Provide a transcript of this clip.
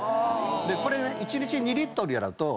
これ一日２リットルやると６６